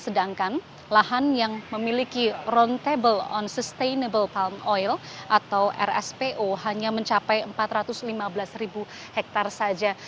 sedangkan lahan yang memiliki roundtable on sustainable palm oil atau rspo hanya mencapai empat ratus lima belas ribu hektare saja